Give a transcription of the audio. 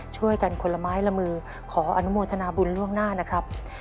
ช่วยกันคนละไม้ละมือขออนุโมทนาบุญล่วงหน้านะครับ